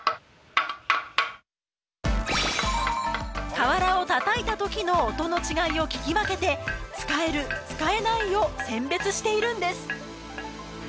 瓦を叩いたときの音の違いを聞き分けて使える使えないを選別しているんです！